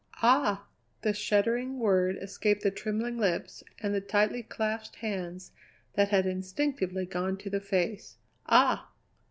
"Ah!" The shuddering word escaped the trembling lips and the tightly clasped hands that had instinctively gone to the face. "Ah!"